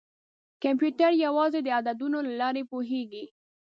کمپیوټر یوازې د عددونو له لارې پوهېږي.